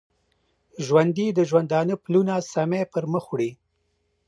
ژوندي د ژوندانه پلونه سمی پرمخ وړي